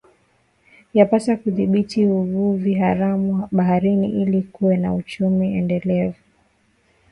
Yapasa kudhibiti uvuvi haramu baharini ili kuwa na uchumi endelevu